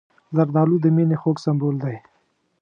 زردالو د مینې خوږ سمبول دی.